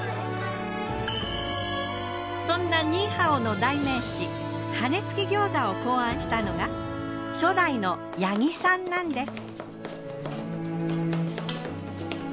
そんなニーハオの代名詞羽根付き餃子を考案したのが初代の八木さんなんです。